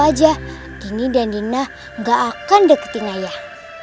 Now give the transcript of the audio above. jauh aja dini dan dina gak akan deketin ayah